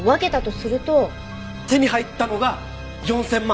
手に入ったのが４０００万。